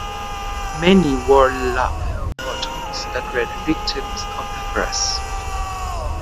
Many wore lapel buttons that read "Victim of the Press".